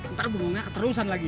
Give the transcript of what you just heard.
ntar bengongnya keterusan lagi